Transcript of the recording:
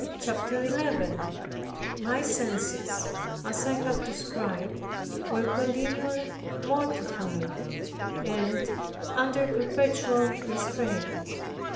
CHAPTER 11 My senses (as I have described) were continually mortified, and under perpetual restraint.